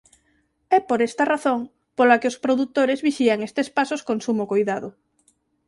É por esta razón pola que os produtores vixían estes pasos con sumo coidado.